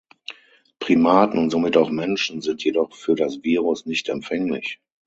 Primaten und somit auch Menschen sind jedoch für das Virus nicht empfänglich.